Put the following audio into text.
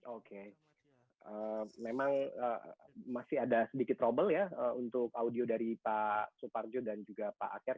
oke memang masih ada sedikit trouble ya untuk audio dari pak suparjo dan juga pak akir